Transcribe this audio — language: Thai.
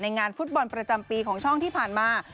งานฟุตบอลประจำปีของช่องที่ผ่านมา